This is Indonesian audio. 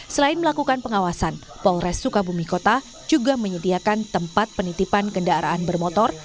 selain melakukan pengawasan polres sukabumi kota juga menyediakan tempat penitipan kendaraan bermotor